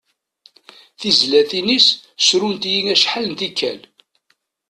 Tizlatin-is srunt-iyi acḥal n tikal.